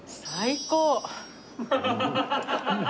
最高！